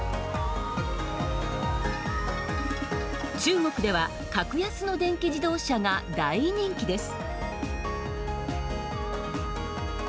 中国では格安の電気自動車が大人気です。